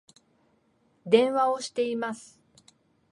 電話をしています